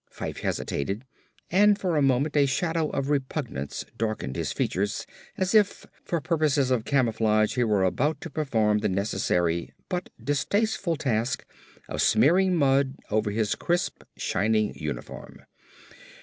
Fyfe hesitated and for a moment a shadow of repugnance darkened his features as if, for purposes of camouflage, he were about to perform the necessary but distasteful task of smearing mud over his crisp, shining uniform.